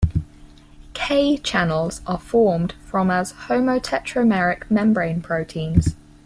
K channels are formed from as homotetrameric membrane proteins.